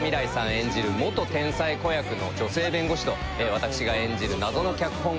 演じる元天才子役の女性弁護士とわたくしが演じる謎の脚本家。